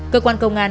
cơ quan công an